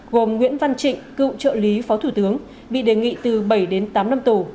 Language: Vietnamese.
gồm nguyễn văn trịnh cựu trợ lý phó thủ tướng bị đề nghị từ bảy đến tám năm tù